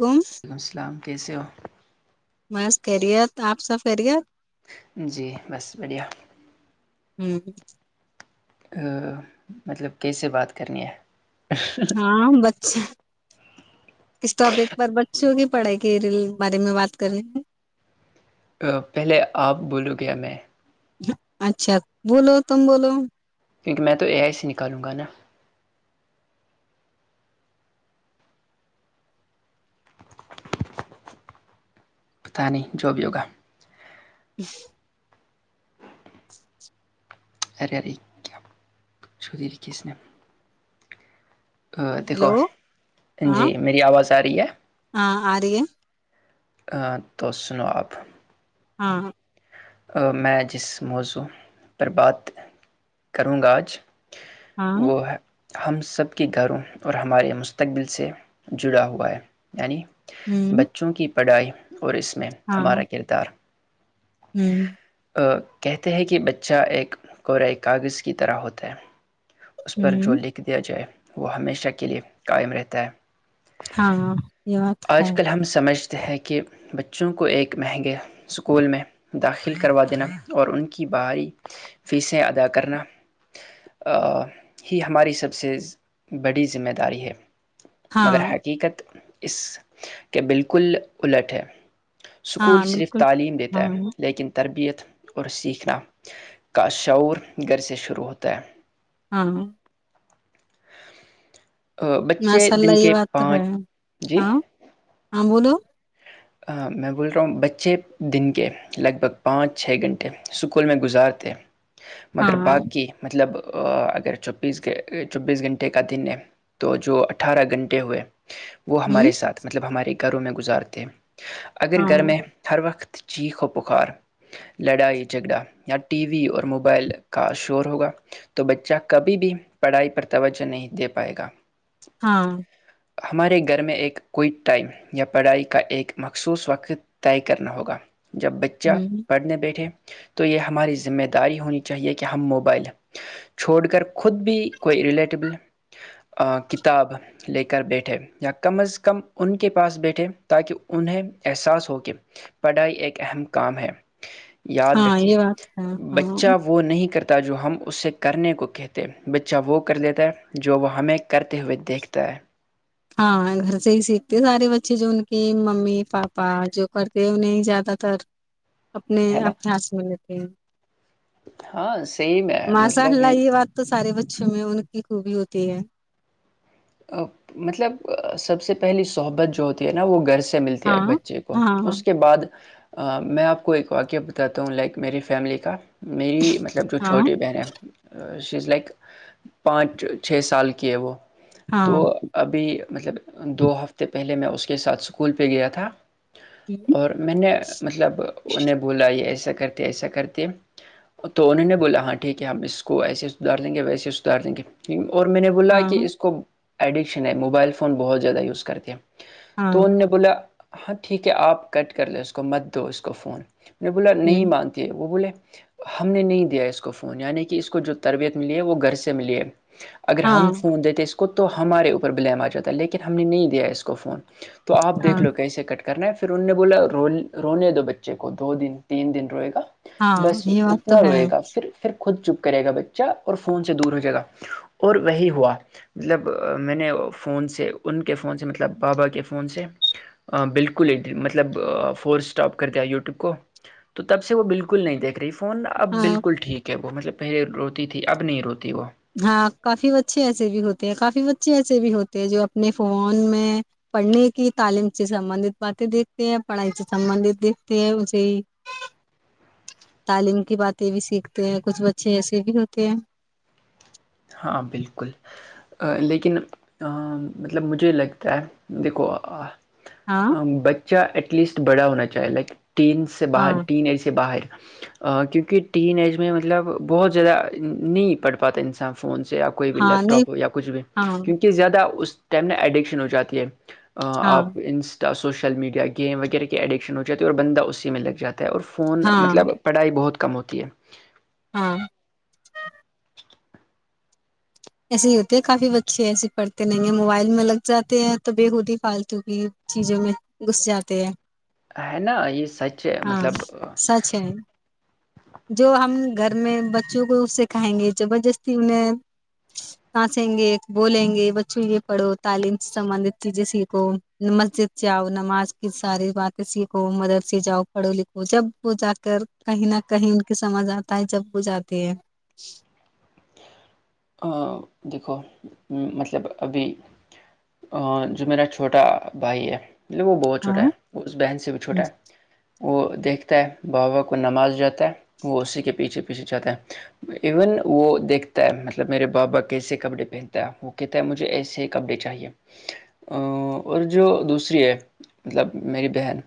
تم وعلیکم السلام کیسے ہو بس خیریت آپ سب خیریت جی بس بڑھیا ہوں مطلب کیسے بات کرنی ہے ہاں بچا کس ٹاپک پر بچوں کی پڑھائی کے بارے میں بات کرنی ہیں پہلے آپ بولو میں اچھا بولو تم بولو کیونکہ میں تو اے آئی سی نکالوں گا نا پت نہیں جو بھی ہوگا جی ار ار کیا سودھی کے اس دیکھو ہلو ہاں جی میری آواز آ رہی ہے ہاں آ رہی ہے توس سناو آپ ہاں ہاں میں جس موضوع پر بات کروں گا آج ہاں وہ ہے ہم سب کے گھروں اور ہمارے مستقبل سے جڑا ہوا ہے یعنی ہوں بچوں کی پڑائی اور اس میں ہاں ہمارا کردار ہوں آ، کہتے ہیں کہ بچہ ایک کورۂ کاغذ کی طرح ہوتا ہے اس پر جو ہوں لکھ دیا جائے وہ ہمیشہ کے لیے قائم رہتا ہے ہاں یہ بات ہے ہے کہ بچوں کو ایک مہنگے اسکول میں داخل کروا دینا اور ان کی باہری فیسیں ادا کرنا ہی ہماری سب سے بڑی ذمہ داری ہے ہاں مگر حقیقت اس کے بالکل الٹ ہے سکول ہاں صرف بالکل تعلیم دیتا ہاں ہے تربیت اور سیکھنا کا شعور گھر سے شروع ہوتا ہے ہاں بچے ماشاء دن اللہ یہ کے بات تو ہے پانچ جی ہاں ہاں بولو میں بول رہا ہوں بچے دن کے لگ بھگ پانچ چھ گھنٹے اسکول میں گزارتےے ہاں مگر باقی مطلب اگر چوبیس چوبیس گھنٹے کا دن ہے تو جو اٹھارہ گھنٹے ہوئے وہ ہوں ہمارے ساتھ مطلب ہمارے گھروں میں گزارتے اگر ہاں گھر میں ہر وقت چیخ و پخار لڑائی جھگڑا یا ٹی وی اور موبائل کا شور ہوگا تو بچہ کبھی بھی پڑھائی پر توجہ نہیں دے پائے گا ہاں ہمارے گھر میں ایک کوئی ٹائم یا پڑھائی کا ایک مخصوص وقت طے کرنا ہوگا جب بچہ ہ پڑھنے بیٹھے تو یہ ہماری ذمہ داری ہونی چاہیے کہ ہم موبائل چھوڑ کر خود بھی کوئی ریلیٹیبل کتاب لے کر بیٹھے یا کم از کم ان کے پاس بیٹھے تاکہ انہیں احساس ہو کہ پڑھائی ایک اہم کام ہے یاد ہاں رکے یہ بات ہے ہاں بچہ وہ نہیں کرتا ت جو ہم اسے کرنے کو کہتے بچہ وہ کر لیتا ہے جو وہ ہمیں کرتے ہوئے دیکھتا ہے ہاں گھر سے ہی سیکھتی سارے بچے جو ان کی ممی پاپا جو کرتے ہیں انہیں زیادہ تر اپنے ہے نا ابیاس میں لیتے ہیں ہاں سیم ہے مساء مطلب اللہ یہ بات تو ساری ب ا میں ان کی خوبی ہوتی ہے مطلب سب سے پہلی سحبت جو ہوتی ہے نا وہ گھر سے ملتی ہے ایک ہاں بچے کو ہاں اس کے بعد میں آپ کو ایک واقعہ بتاتا ہوں لائک میری فیملی کا میری مطلب جو ہاں چھوٹی بہنیں چیز لائک پانچ چھ سال کی ہے وہ ہاں تو ابھی مطلب دو ہفتے پہلے میں اس اس کے ساتھ اسکول پہ گیا تھا ہوں، اور میں نے مطلب انہیں بولا یہ ایسے کرتے ایسا کرتے تو انہوں نے بولا ہاں ٹھیک ہے ہم اس کو ایسے سدھار دیں گے ویسے سدھار دیں گے اور میں نے بولا کہ ہاں اس کو ایڈکشن ہے موبائل فون بہت زیادہ یوز کرتے ہیں ہاں تونے بلا ہاں ٹھیک ہے آپ کٹ کر لیں اس کو مت دو اس کو فون نہیں بولا نہیں ہ مانتی ہے وہ بولے ہم نے نہیں دیا اس کو فون یعنی کہ اس کو جو تربیت ملی ہے وہ گھر سے ملی ہے اگر ہم ہاں فون دتےس تو ہمارے اوپر بلیم آ جاتا ہے لیکن ہم نے نہیں دیا اس کو فون تو آپ دیکھ ہاں لو کیسے کٹ کر کرنا ہے پھر ان نے بولا ر رونے دو بچے کو دو دن تین دن روئے گا ہاں بس یہ بات تو اتنا ہے روئے گا پھر پھر خود چپ کرے گا بچہ اور فون سے دور ہو جائے گا اور وہی ہوا مطلب میں نے فون سے ان کے فون سے مطلب بابا کے فون سے بالکل مطلب فور اسٹاپ کر دیا یوٹیوب کو تو تب سے وہ بالکل نہیں دیکھ رہی فون اب ہاں بالکل ٹھیک ہے وہ مطلب پہلے روتی تھی اب نہیں روتی وہ ہاں کافی بچے ایس بھی ہوتے ہیں کافی کافی بچے ایسے بھی ہوتے ہیں جو اپنے فون میں پڑھنے کی تعلیم سے سبندت باتیں دیکھتے ہیں پڑھائی سے سبندت دیکھتے ہیں اسے تعلیم کی باتیں بھی سیکھتے ہیں کچھ بچے ایسے بھی ہوتے ہیں ہاں بالکل لیکن مطلب مجھے لگتا ہے دیکھو ا ہاں بچ ا ایٹ لیسٹ بڑا ہونا چاہے لائک ٹین سے باہر ہاں ٹین ای سے باہر کیونکہ ٹین ایج میں مطلب بہت زیادہ نہیں پڑھ پاتا انسان فون یا کوئی بھی ہاں نہیں لیپٹاپ ہو یا کچھ بھی ہاں کیونکہ زیادہ اس ت نے ایڈکشن ہو جاتی ہے [unintelligible] ہاں آپ ان [unintelligible] سوشل میڈیا گیم وغیرہ کے ایڈکشن ہو جاتی اور بندہ اسی میں لگاتا [unintelligible] اور فون ہاں مطلب پڑھائی بہت [unintelligible] کم ہوتی ہے [unintelligible] ہاں [unintelligible] [unintelligible] ایسے ہی ہوتے ہے کافی بچے ایسے پڑھتے نہیں ہیں موبائل میں لگ جاتے ہیں تو بے خود ہی فالتو کی چیزوں میں گھس جاتے ہیں [unintelligible] ہے نا یہ سچ ہے ہاں مطلب سچ ہے [unintelligible] جو ہم گھر میں بچوں کو اس سکھائیں گے زبردستی انہیں سانسیں گے بولیں گے بچوں یہ پڑھو تعلیم سے سبندت چیزیں سیکھو مسجد سےاؤ نماز کی ساری باتیں سیکھو مدرس جاؤ پڑھو لکھو جب وہ جا کر کہیں نہ کہیں ان کی سمجھ آتا ہے جب وہ جاتی ہے [unintelligible] دیکھو مطلب ابھی جو میرا چھوٹا بھائی ہے [unintelligible] مطب وہ بہت چھوٹا ہاں ہے اس بہن سے بھی چھوٹا ہے [unintelligible] وہ دیکھتا ہے بابا کو نماز جاتا ہے وہ اسی کے پیچھے پیچھے جاتا ہے ایون وہ دیکھتا ہے مطل [unintelligible] مطلب میرے بابا کیسے کپڈے پہنتا ہے وہ کہتا ہے مجھے ایسے ہی کپڈے چاہیے اور جو دوسری ہے مطلب میری بہن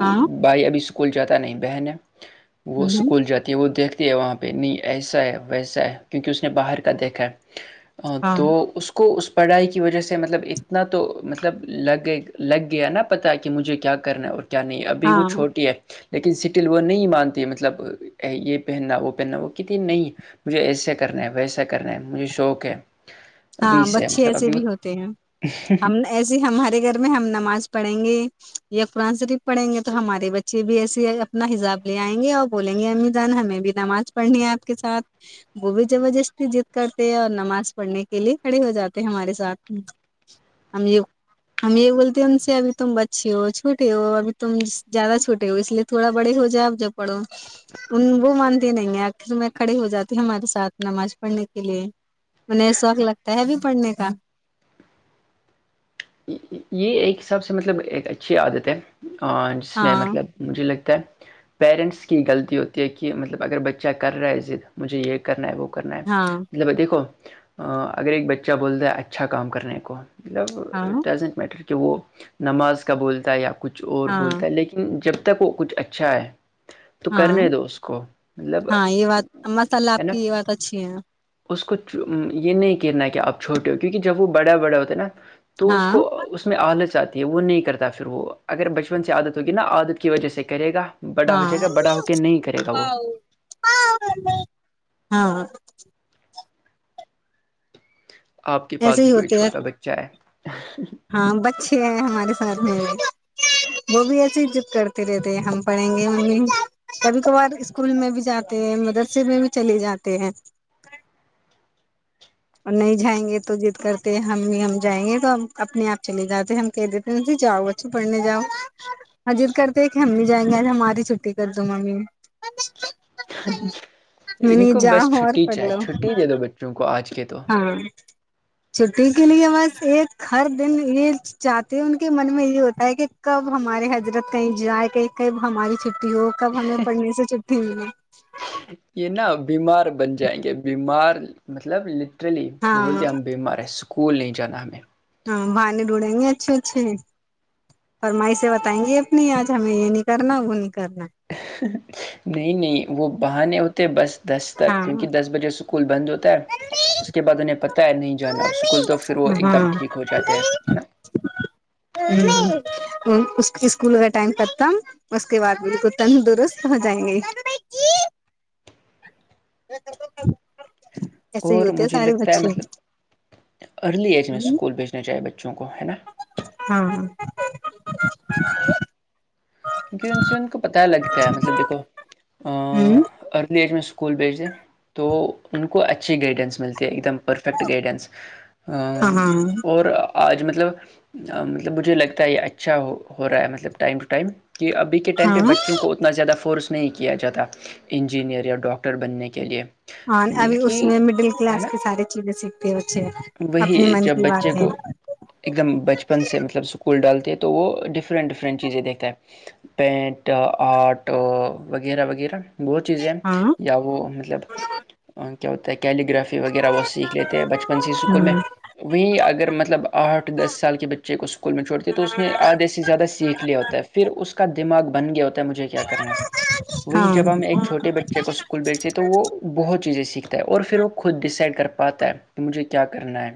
ہاں بھائی ابھی اس اسکول جاتا نہیں بہن ہے [unintelligible] وہ اسکول جاتی ہے وہ دیکھ [unintelligible] ہے وہاں پہ نہیں ایسا ہے ویسا ہے کیونکہ اس نے باہر کے [unintelligible] کا دیکھیں [unintelligible] ہاں تو اس کو اس [unintelligible] پڑھائی کی وجہ سے مطلب اتنا تو مطلب لگے لگ گیا نا پتاہ کہ مجھے کیا کرنا ہے اور [unintelligible] کیا نہیں ابھی وہ ہاں چھوٹی ہے [unintelligible] لیکن سٹل وہ نہیں مانتی مطلب یہ پہننا وہ پہننا وہ کہتی نہیں مجھے ایسا کرنا ہے ویسا [unintelligible] کرنا ہے مجھے شوق ہے [unintelligible] ابھی ہاں سے بچے مطلب ایسے ابھی وہ بھی ہوتے ہیں ہم ایسے ہمارے گھر میں ہم نمازڑ [unintelligible] پڑھیں گے یا قرآن شریف پڑھیں گے تو ہمارے بچے بھی ایسے اپنا حساب لے آئیں گے اور بولیں گے امی جان ہمیں بھی نماز پڑھنی ہے آپ کے ساتھ وہ بھی زبردستی جضد کرتے ہیں اور نماز پڑھنے کی [unintelligible] لیے کھڑے ہو جاتے ہیں ہمارے ساتھ ہم یہ ہم یہ بولتے ہیں ان سے اب تم بچے ہو چھوٹے ہو ابھی تم زیادہ چھوٹے ہو اس لیے تھوڑا بڑے ہو جائے ا ج پڑھو ان وہ مانتی نہیں ہے آخر میں کھڑے ہو جاتی ہ ہمارے ساتھ نماز پڑھنے کے لیے انیں [unintelligible] شوق لگتا ہے ابھی پڑھنے کا [unintelligible] یہ ایک حساب سے مطلب ایک اچھی عادت ہے [unintelligible] اور جس میں ہاں مطلب مجھے لگتا [unintelligible] پیرنٹس کی غلطی ہوتی ہے کہ مطلب اگر بچہ کر رہا ہے زد مجھے یہ کرنا ہے وہ [unintelligible] کرنا ہے ہاں مطلب دیک کوو [unintelligible] ا اگر ایک بچہ بولتا ہے اچھا کام کرنے کو [unintelligible] ہاں ملب [unintelligible] زینٹ میٹر کہ وہ نماز کا بولتا ہے یاپ [unintelligible] کچھ اور ہاں بولتا ہے لیکن جب [unintelligible] تک کچھ اچھا ہے تو ہاں کرنے دو اس کو مطلب ہاں یہ ہے بات ماشاء اللہ آپ نا کی یہ بات اچھی ہے اس کو یہ نہیں کہنا ہے کہ آپ چھوٹے ہو کیونکہ جب وہ بڑے بڑے ہوتے نا تو اس کو ہاں کو اس میں آال [unintelligible] ات وہ نہیں کرتا پھر وہ اگر بچپن سے عادت ہوگی نا عادت کی وجہ سے کرے گا بڑا ہو ہاں جائے گا بڑا ہو کے نہیں کرے گا وہ ہاں [inaudible] آپ کے پاس ایسے بھی ہی کوئی ہوتے ہیں چھوٹا بچہ ہے ہاں بچے ہیں ہمارے ساتھ میں وہ بھی ایسی عزت کرتے رہتے ہیں ہم پڑھیں گے ممی کبھی کبھار اسکول میں بھی جاتے ہیں مدرسے میں بھی چلے جاتے ہیں اور نہیں جائیں گے تو جد کرتے ہم بھی ہم جائیں گے تو ہم اپنے آپ چلے جاتے ہم کہہ دیتے جاؤ بچوں پڑھنے جاؤ اور جضد کرتے کہ ہم بھی جائیں گے آج ہماری چھٹی کر دو ممی [unintelligible] میں ان نہیں کو بس جاؤ اور چھٹی پڑھ چاہی لو چھٹی دے دو بچوں کو آج کے تو ہاں چھٹی کے لیے بس ایک ہر دن یہ چاہتے ہیں ان کے من میں یہ ہوتا ہے کہ کب ہمارے حضرت کہیں جائے کہیں کب ہماری چٹی وہ کب ہمیں پڑھنے سے چلتی ہو ہے یہ نا بیمار بن جائیں گے بیمار مطلب چلی بولتی ہاں ہم بیمار ہیں سک اسکول نہیں جانا ہمیں ہاں بھانے ڈوڈیں گے اچھے اچھے اور مائے بتائیں گی اپنی آج ہمیں یہ نہیں کرنا وہ نہیں کرنا نہیں نہیں وہ بہانے اتے بس دس تک ہاں کیونکہ دس بجے اسکول بند ہوتا ہے اس کے بعد انہیں پتا نہیں جانا سکول تو پھر وہ ایک دم ہاں ٹھیک ہو جاتا ہے ہے نا اسکول کا ٹائم ختم اس کے بعد بال کو تندرست ہو جائیں گے کر [unintelligible] اور مجھے لگتا ہے مطلب ارلی ایج میں اسکول بھیجنا چاہے بچے بچوں کو ہے نا [inaudible] کیونکہ ان سے ان کو پتا لگتا ہے مطلب دیکھو ا ہاں ارلی ایج میں [unintelligible] اسکول بھیج دیں تو ان کو اچھی گائیڈنس ملتی ہے ایک دم پرفیکٹ گائیڈینس ہاں اور آج مطلب مطلب مجھے لگتا ہے یہ اچھا ہو رہا ہے مطلب ٹائم ٹو ٹائم کہ ابھی کے ٹائ پہ ہاں بچوں کو اتنا زیادہ فورس نہیں کیا جاتا انجینئر یا ڈاکٹر بننے کے لیے ہاں ابھی اس بلکہ میں مڈل ہے کلاس نا کی ساری چیزیں سیکھ پی [unintelligible] وہی جب بچے کو ایک دم بچپن سے مطلب اسکول ڈالتا تو وہ ڈفرینٹ ڈفرینٹ چیزیں دیکھتا ہے پینٹ آرٹ وغیرہ وغیرہ بہت چیزیں ہیں ہاں یا وہ مطلب کہتے کیلیگرافی وغیرہ سیکھ لیتے ہیں بچ اسکول میں وہیں اگر مطلب آٹھ دس سال کے بچے کو اسکول میں چھوڑتی تو اس نے آدھے سے زیادہ سیکھ لیا ہوتا ہے پھر اس اس کا دماغ بن گیا ہوتا مجھے کیا کرنا وہی جب ہوں ہم ایک ہاں چھوٹے بچے کو اسکول بیچتے ہیں تو وہ بہت چیزیں سیکھتا ہے اور پھر وہ خود ڈیسائڈ کر پ پت ہے تو مجھے کیا کرنا ہے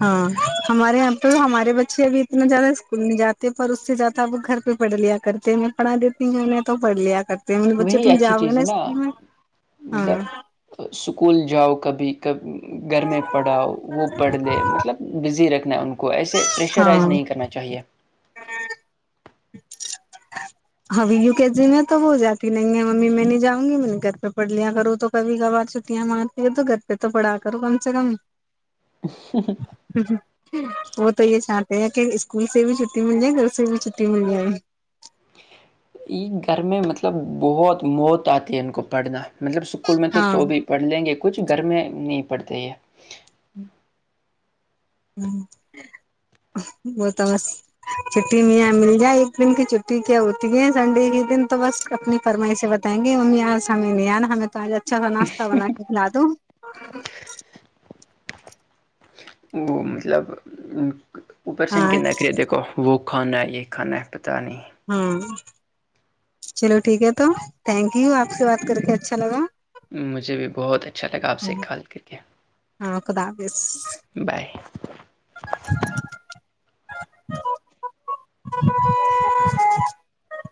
ہاں ہمارے یہاں تو ہمارے بچے ابھی اتنا زیادہ اسکول نہیں جاتے پر اس سے زیادہ اب گھر پڑھ لیا کرتے ہیں میں پڑھا دیتی ہوںہیں تو پڑھ لیا کرتے ہیں میرے بچے وہی تم اچھی جاؤ گے چیز ہے نا اسکول میں مطلب ہاں اسکول جاؤ کبھی کب گھر میں پڑھاؤ وہ پڑھ لے مطلب بزی رکھ ان کو ایسے پرریشرائز ہاں نہیں کرنا چاہیے ابھی یو کے جی میں تو ہو جاتی نہیں ہے ممی میں نہیں جاں گی میں نے گھر پہ پڑھ لیا کروں تو کبھی کبھار چھٹیاں مارتی ہے تو گھر پہ تو پڑھا کروں کم سے کم وہ تو یہ چاہتے ہیں اسکول سے بھی چھٹی مل جائے گھر سے بھی چھٹی مل جائے یہ گھر میں مطلب بہت موت آتی ہے ان کو پڑھنا مطلب اسکول میں ہاں تو بھی پڑھ لیں گے کچھ گھر میں نہیں پڑتے ہے ہ وہ تو بس چھٹی میں یہ مل جائے ایک دن کی چٹی کیا ہوتی ہے سنڈے کے دن تو بس اپنی فرمائی سے بتائیں گے ممی آس ہمیں نہیں آنا ہمیں تو آ جاتا اچھاا ناشہ بنا کے کھلا د وہ مطلب اوپر سے ہاں ان کے ن کرریت دیکھو وہ کھانا ہے یہ کھانا ہے پتا نہیں ہاں چلو ٹھیک ہے تو تھینک یو آپ سے بات کر کے اچھا لگا مجھے بھی بہت اچھا لگا آپ سے کال کر کے ہاں خدا حافظ بائے [unintelligible]